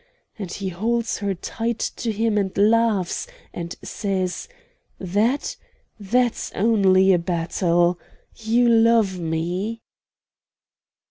and he holds her tight to him and laughs, and says: 'THAT? That's only a battle you love me.'"